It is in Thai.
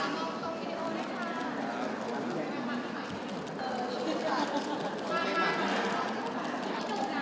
ขอบคุณครับ